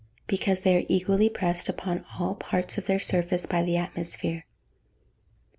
_ Because they are equally pressed upon all parts of their surface by the atmosphere. 826.